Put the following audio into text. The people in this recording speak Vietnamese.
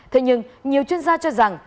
thế nhưng nhiều chuyên gia cho rằng